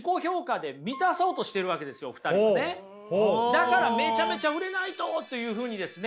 だからめちゃめちゃ売れないとというふうにですね